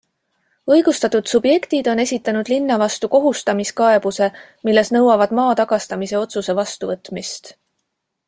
Õigustatud subjektid on esitanud linna vastu kohustamiskaebuse, milles nõuavad maa tagastamise otsuse vastuvõtmist.